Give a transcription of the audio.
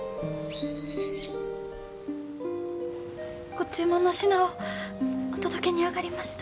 ご注文の品をお届けにあがりました。